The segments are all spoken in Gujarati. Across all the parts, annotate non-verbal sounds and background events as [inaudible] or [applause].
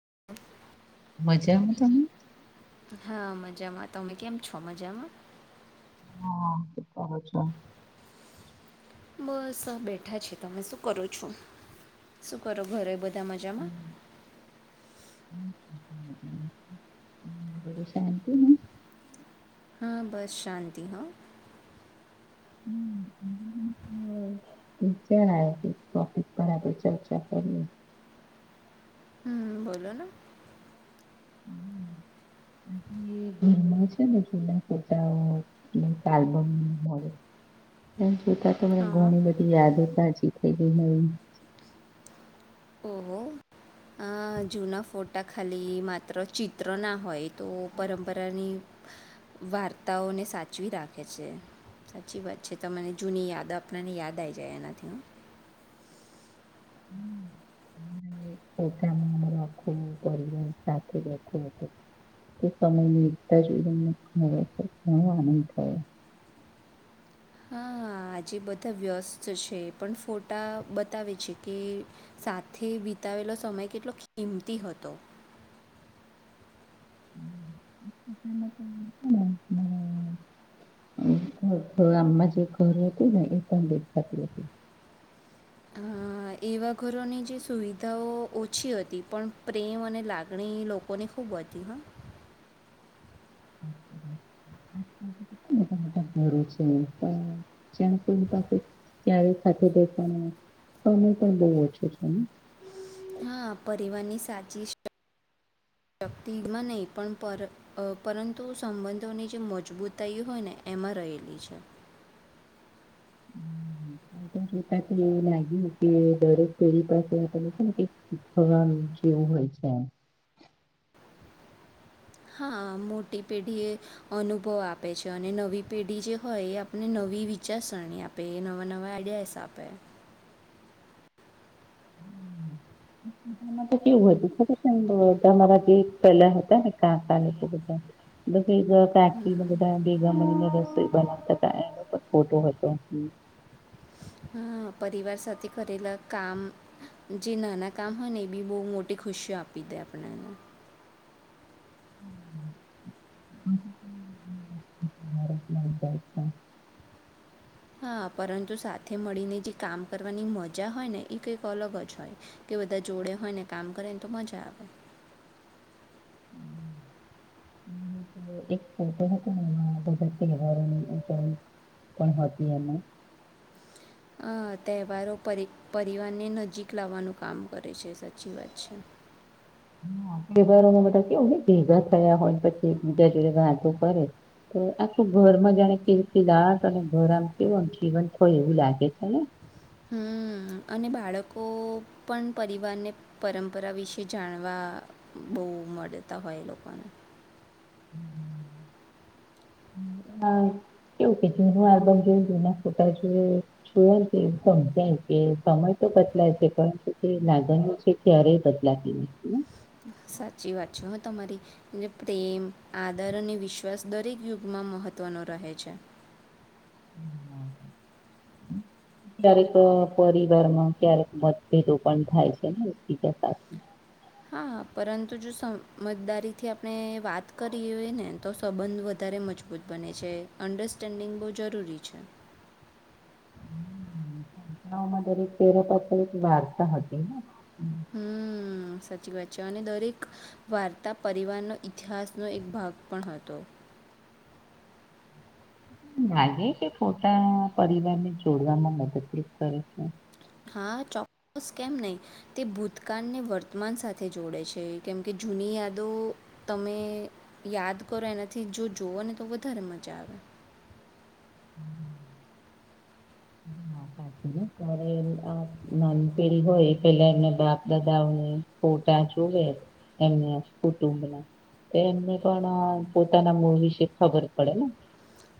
[inaudible] મજામાં તમને? હા મજામાં, તમે કેમ છો મજામાં? [unintelligible] બસ આમ બેઠા છે, તમે શું કરો છો? શું કરો ઘરે બધા મજામાં? [inaudible] [unintelligible] હા બસ શાંતિ હો! [unintelligible] ટોપિક પર આપણે ચર્ચા કરીએ. હમ બોલો ને! [inaudible] એએ ઘરમાં છે ને, [unintelligible] હોય, [unintelligible] હોય. હમ તા તમને હા ઘણી બધી યાદ પાછીખાઈ ગઈ મળવીને. ઓહો. આઆ જૂના ફોટા ખાલીઇ માત્ર ચિત્ર ના હોય, તો પરંપરાની વાર્તાઓને સાચવી રાખે છે. સાચી વાત છે ત મને જૂની યાદ [unintelligible] યાદ આવી જાય એનાથી. [inaudible] [unintelligible] સાથે બેઠું હતુ. તે સમય નીરતા [unintelligible] આનંદ થયો. હા હા. હ આજે બધા વ્યસ્ત છે પણ ફોટા બતાવે છે કે સાથે બતાવેલો સમય કેટલો કિંમતી હતો. [unintelligible] હમ આમમાં જે ખરું હતું ને એ પણ દેખખાતી હતી. હા. એવા ઘરોની જે સુવિધાઓ ઓછી હતી પણ પ્રેમ અને લાગણી લોકોને ખૂબ બતી હા. [unintelligible] મોટા મોટા છે પણ કોઈની પાસે ક્યારે સાથે બેસ અમે પણ બહુ ઓછો છે. હા પરિવાર ની સાચી [unintelligible] [inaudible] શક્તિમાં નહીં પણ પરઅ પરંતુ સંબંધોની જે મજબૂતાઈ હોય ને એમાં રહેલી છે. [unintelligible] એ લાગ્યું કે દરેક પેઢી પાસે આપને છે ને શીખવાનું જેવું હોય. ચ્છા. હા મોટી પેઢી એ અનુભવ આપે છે અને નવી પેઢી જે હોય એ આપને ન વી વિચારસરણી આપે એ નવા નવા આઈડિયાઝ આપે. [unintelligible] [unintelligible] તો કેવુ હતુ ખબર છે [unintelligible] કાકા લોકો બધા [unintelligible] [unintelligible] કાકીને હમ. બધા ભેગા મલીને રસોઈ બનાવતા તા એનો પણ ફોટો હતો. હા. હા પરિવાર સાથે કરેલા કામ, જે નાના કામ હોય ને એ બી બઉ મોટી ખુશીઓ આપ પી દે આપણને [unintelligible] [inaudible] હા, પરંતુ સાથે મળીને જે કામ કરવાની મજા હોય ને એ કંઈક અલગ જ હોય કે બધા જોડે હોય ને કામ કરે ને તો મજા આવે. હમ. એક ફોટો હતો ને એમાં [unintelligible] પણ હતી એમાં હા, તહેવારો પરિ પરિવારને નજીક લાવવાનું કામ કરે છે સાચી વાત છે. હા તહેવારોમાં બધા કેવું નઈ ભેગા થયા હોય પછી એકબીજા જોડે વાતો કરે આખું ઘરમાં જાણે કે [unintelligible] દાંત અને ઘર આમ કેવું આમ જીવંત હોય એવું લાગે છે ને હમ્મ અને બાળકો પન પરિવારને પરંપરા વિશે જાણવા આ બઊ મળેતા હોય એ લોકોને હા કેવું કે જૂનું આલ્બમ જોય જૂના ફોટા જોય જોય તે સમજાય કે સમય તો બદલાય છે પણ તે છે લાગણીઓ છે ક્યારેય બદલાતી નથી. સાચી વાત છે હં તમારી પ્રેમ, આદર અને વિશ્વાસ દરેક યુગમાં મહ ત્ત્વનો રહે છે. હમ. ક્યારેક પરિવારમાં ક્યારેક મતભેદો પન થાય છે ને એકબીજા સાથે. હમ હા પરંતુ જો સમજદારીથી આપને વાત કરી હોય ને તો સંબંધ વધારે મજ બૂત બને છે, અન્ડરસ્ટેન્ડિંગ બઉ જરૂરી છે. [inaudible] [unintelligible] ઓમાં દરેક તહેવાર પાછળ એક વાર્તા હતી. તમને હમ્મ, સાચી વાત છે અને દરેક વાર્તા પરિવારનો ઈતિહાસનો એક ભાગ પણ હતો. લાગે કે ફોટા પરિવારને જોડવામાં મદદરૂપ કરે છે? હા ચોક્કસ, કેમ નઈ? તે ભૂતકાળને વર્તમાન સાથે જોડે છે કેમ કે જુની યાદો તમે યાદ કરો એનાથી જો જુઓને તો વધારે મજા આવે. [inaudible] હા, સાચી ત્યારે અ નાની પેઢી હોય એ પહેલાં એમને બાપ-દાદાઓને ફોટા જો [unintelligible] એમના કુટુંબના તો એમને પણ પોતાના મુળ વિશે ખબર પડે ને?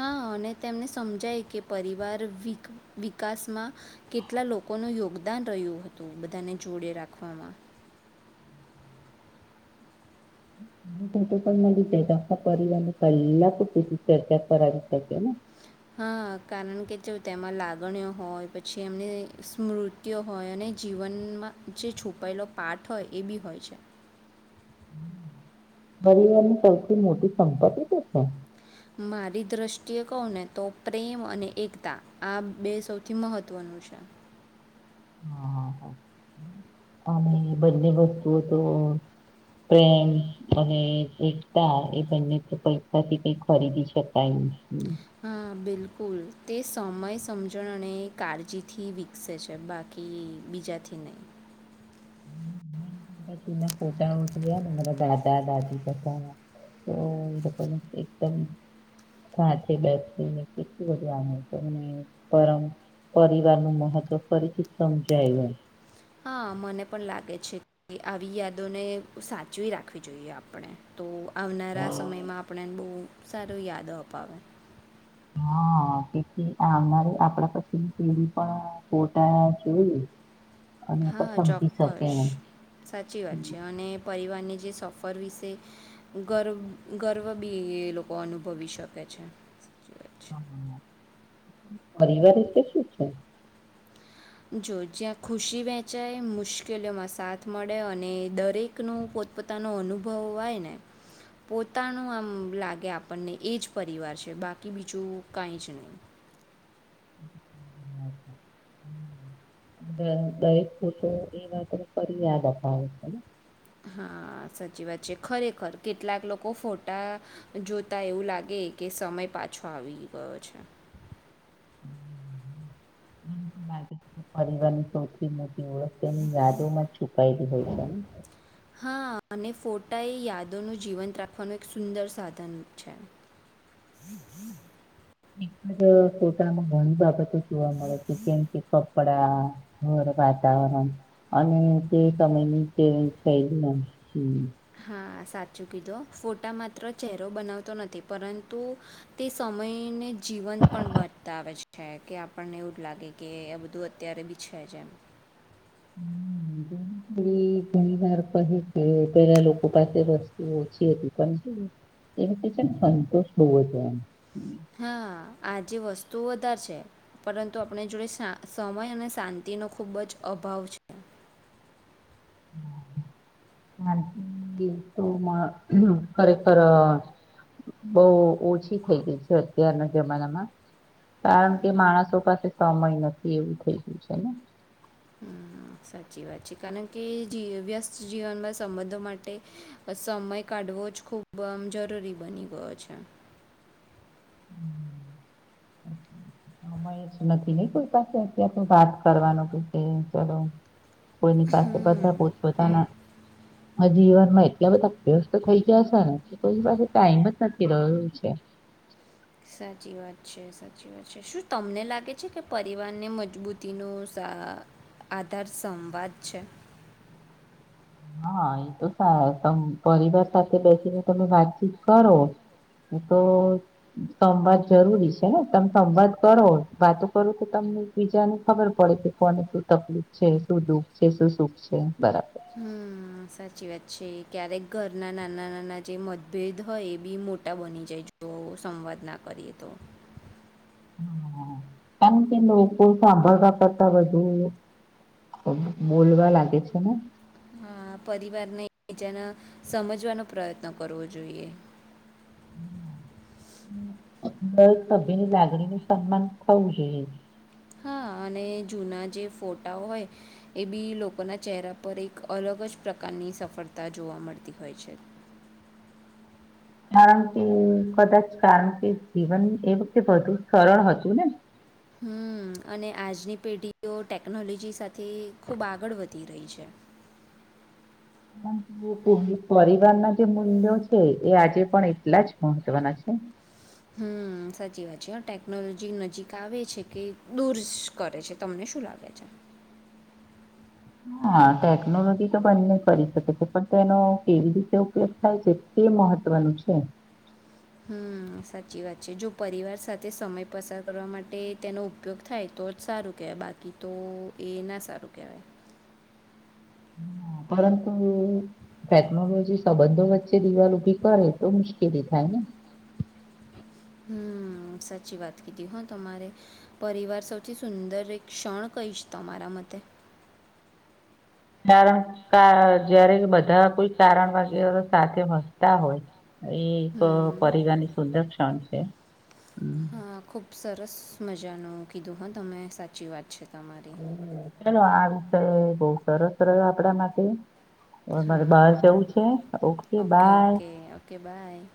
હા, અને તેમને સમજાય કે પરિવાર વિક વિકાસમાં કેટલા લોકોનો યો ગદાન રહ્યું હતું બધાને જોડે રાખવામાં [inaudible] [unintelligible] પરિવારને કલાકો સુધી ચર્ચા કરાવી શકે ને? હા કારણ કે જો તેમાં લાગણીઓ હોય પછી એમની સ્મૃતિઓ હોય અને જીવન ન માં જે છુપાયેલો પાઠ હોય એ બી હોય છે. ગરીબોની સૌથી મોટી સંપત્તિ શું છે? મારી દ્રષ્ટિએ કહું ને તો પ્રેમ અને એકતા આ બે સૌથી મહત્વનું છે. [inaudible] હા હા હા અને બધી વસ્તુઓ તો પ્રેમ અને એકતા એ બંને તો પૈસાથી કંઈ ખરીદી શકાય નહીં. [unintelligible] હા બિલકુલ તે સમય, સમજણ અને કાળજીથી વિકસે છે બાકી કે બીજાથી નહી. હમ. ના ફોટાઓ જોયાને મારા દાદા-દાદી બધાના તો એ એકદમ સાથે બેસીને કેટલું બધું આનંદ થાય. પરમ પરિવારનું મહત્વ ફરીથી સમજાયું એમ. હા મને પણ લાગે છે કે આવી યાદોને સાચવી રાખવી જોઈએ આપણે તો આવનારા સમયમાં આપણને બહુ સારું યાદ અપાવે. હા. બાકી આવનારી આપણા પછીની પેઢી પણ ફોટા જોઈ. અને પણ હા સમજી શકે ચોક્કસ એમ સાચી વાત છે અને પરિવારની જે સફર વિશે ગર્વ ગર્વ બી એ લોકો અનુભવી શકે છે. સાચી વાત પરિવાર રીતે શું છે? જો જ્યાં ખુશી વહેંચાય, મુશ્કેલીઓમાં સાથ મળે અને દરેક નો પોતપોતાનો અનુભવ હોય ને પોતાનું આમ લાગે આપણને એ જ પરિવાર છે. બાકી બીજું કંઈ જ નહી. અચ્છા. દરેક ફોટો એ વાતને ફરી યાદ અપાવે છેને? હા સાચી વાત છે. ખરેખર કેટલાંક લોકો ફોટા જોતા એવું લાગે કે સમય પાછો આવી ગયો છે. પરવારની સૌથી મોટી તેની યાદોમાં છુપાયેલી હોય છેને. હા અને ફોટા એ યાદોનું જીવંત રાખવાનું એક સુંદર સાધન છે. [unintelligible] એક ટોટલમાં ઘણી બાબતો જોવા મળે છે જેમ કે કપડા હોર વાતાવરણ અને તે તયની થલી ના હા સાચું કીધું ફોટા માત્ર ચહેરો બનાવતો નથી પરંતુ તે સમ સમયને જીવન પણ બચતાવે છે કે આપણને એવું જ લાગે કે આ બધું અત્યારે બી છે. ભજન હમ. ડી ઘણી વાર કહે છે પેલા લોકો પાસે વસ્તુ ઓછી હતી પણ એ વખતે છેમ સંતોષ હોવો હતો એમ. હા આજે વસ્તુ વધારે છે પરંતુ આપણે જોડે સમય અને શાંતિ તેનો ખૂબ જ અભાવ છે. [inaudible] હમ હ તો ખરેખર. બહુ ઓછી થઈ ગઈ છે અત્યારના જમાનામાં કારણ કે માણસો પાસે સમય નથી એવું થઈ ગયું છે ને હમ, સાચી વાત છે કારણ કે વ્યસ્ત જીવનમાં સંબંધો માટે સમય કાઢવો જ ખૂબ આ જરૂરી બની ગયો છે. હમ. [unintelligible] કોઈ પાસે [unintelligible] તો વાત કરવાનું [unintelligible] કોઈની પાસે બધા પોત બધાના. આ જીવનમાં એટલા બધા [unintelligible] તો થઈ ગયા છે, ને કોઈ પાસે ટાઈમ જ નથી રહ્યો છે. સાચી વાત છે, સાચી વાત છે, શું તમને લાગે છે, કે પરિવારને મજબૂતી ન સાર આધાર સંવાદ છે. હા એ તો [unintelligible] પરિવાર સાથે બેસીને તમે વાતચીત કરો. તો સંવાદ જરૂરી છે, ને તમે સંવાદ કરો વાતો કરો તો [unintelligible] [unintelligible] ખબર પડે કે કોને શું તકલીફ છે, શું દુઃખ છે, શું સુખ છે, બરાબર. હ સાચી વાત છે, ક્યારેક ઘરના નાના નાના જે મતભેદ હોય એ બી મોટા બની જાય છે. [unintelligible] સંવાદ ના કરીએ તો. [unintelligible] લોકો સાંભળતા પતા વધુ. બોલવા લાગે છે, ને. હા પરિવારને બીજાને સમજવાનો પ્રયત્ન કરવો જોઈએ. [inaudible] [unintelligible] લાગણી નું સન્માન થવું જોઈએ. હા અને જૂના જે ફોટા હોય એ બી લોકોના ચહેરા પર એક અલગ જ પ્રકારની. ની સફળતા જોવા મળતી હોય છે. [unintelligible] કારણ કે કદાચ કારણ કે જીવન એ વખતે વધુ સરળ હતું ને. હમ અને આજની પેઢીઓ ટેકનોલોજી સાથે ખુબ આગળ વધી. રહી છે. [unintelligible] પરિવારના જે મૂલ્યો છે, એ આજે પણ એટલા જ મહત્વના છે. [inaudible] હમ સાચી વાત છે, ટેકનોલોજી નજીક આવે છે, કે દૂર કરે છે, તમને. શું લાગે છે. હા ટેકનોલોજી તો બંને કરી શકે છે, પણ તેનો કેવી રીતે ઉપયોગ થાય છે, તે મહત્વનું છે. હમ સાચી વાત છે, જો પરિવાર સાથે સમય પસાર કરવા માટે તેનો ઉપયોગ થાય. તો જ સારું કહેવાય બાકી તો એ ના સારું કહેવાય. [inaudible] પરંતુ ટેકનોલોજી સંબંધો વચ્ચે દિવાલ ઉભી કરે તો મુશ્કેલી થાય. [unintelligible] હમ સાચી વાત કીધી હ તમારે પરિવાર સૌથી સુંદર એક ક્ષણ કહીશ તમારા મતે. [inaudible] [unintelligible] બધા કોઈ કારણ વગેરે સાથે વસતા હોય. એ એક હમ્મ. પરવારની સુંદર ક્ષણ છે. હમ હા ખુબ સરસ મજાનું કીધું હ તમે સાચી વાત છે. તમારી. ચલો આ વિષય બહુ સરસ રહ્યો આપડા માટે. હવે મારે બાર હા. જવું છે, okay by. [inaudible] Okay. Okay, by.